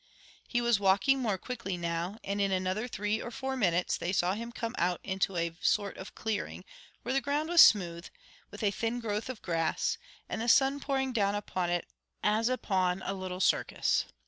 He was walking more quickly now, and in another three or four minutes they saw him come out into a sort of clearing, where the ground was smooth, with a thin growth of grass, and the sun pouring down upon it as upon a little circus.